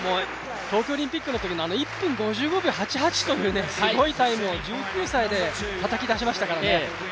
東京オリンピックのときの１分５５秒８８というすごいタイムを１９歳でたたき出しましたからね。